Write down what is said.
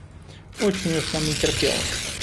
Очень уж нам не терпелось.